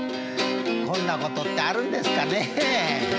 こんなことってあるんですかねえ。